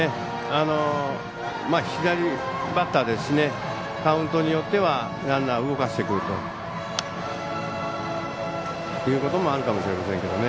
左バッターですしカウントによってはランナー動かしてくるということもあるかもしれませんね。